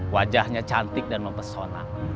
wajahnya cantik dan mempesona